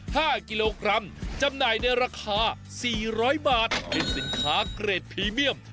ห้ากิโลกรัมจำหน่ายในราคาสี่ร้อยบาทเป็นสินค้าเกรดพรีเมียม